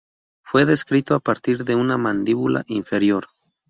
Fue descrito a partir de una mandíbula inferior.